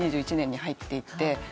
２０２１年に入っていって。